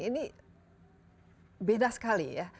ini beda sekali ya